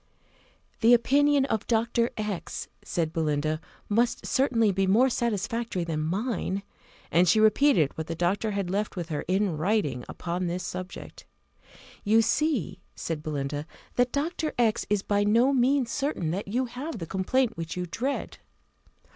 "The opinion of Dr. X ," said Belinda, "must certainly be more satisfactory than mine;" and she repeated what the doctor had left with her in writing upon this subject. "You see," said Belinda, "that Dr. X is by no means certain that you have the complaint which you dread."